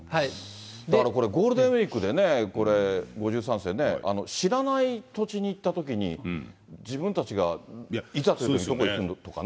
だからこれ、ゴールデンウィークでね、これ、５３世ね、知らない土地に行ったときに、自分たちがいざというときに、どこに行くのかとかね。